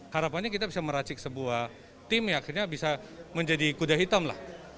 harapannya kita bisa meracik sebuah tim yang akhirnya bisa menjadi kuda hitam lah